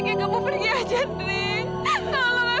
jangan tambah penderitaan kami